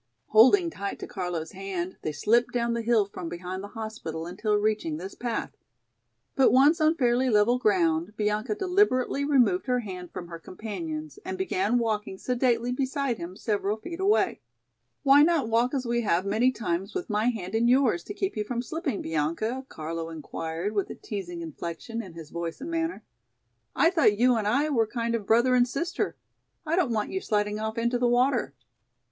Holding tight to Carlo's hand, they slipped down the hill from behind the hospital until reaching this path. But once on fairly level ground, Bianca deliberately removed her hand from her companion's and began walking sedately beside him several feet away. "Why not walk as we have many times with my hand in your's to keep you from slipping, Bianca?" Carlo inquired with a teasing inflection in his voice and manner. "I thought you and I were kind of brother and sister. I don't want you sliding off into the water."